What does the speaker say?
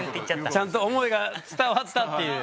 ちゃんと思いが伝わったっていう。